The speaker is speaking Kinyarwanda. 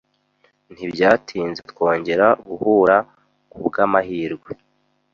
Ntibyatinze twongera guhura kubwamahirwe.